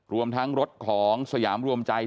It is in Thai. รวมทั้งรถของสยามรวมใจ